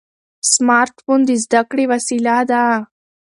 سمارټ فون د زده کړې وسیله ده.